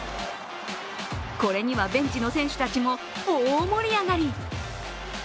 これにはベンチの選手たちも大盛り上がり。